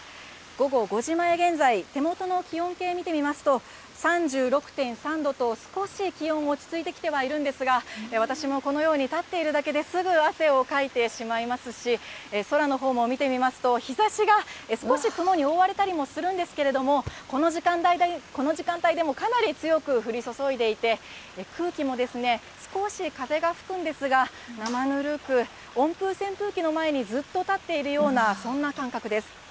午後５時前現在、手元の気温計見てみますと、３６．３度と、少し気温、落ち着いてきてはいるんですが、私もこのように立っているだけですぐ汗をかいてしまいますし、空のほうも見てみますと、日ざしが少し雲に覆われたりもするんですけれども、この時間帯でもかなり強く降り注いでいて、空気も少し風が吹くんですが、生ぬるく、温風扇風機の前にずっと立っているような、そんな感覚です。